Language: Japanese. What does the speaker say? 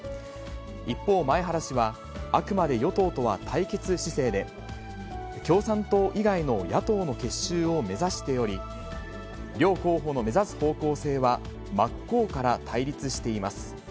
一方、前原氏はあくまで与党とは対決姿勢で、共産党以外の野党の結集を目指しており、両候補の目指す方向性は、真っ向から対立しています。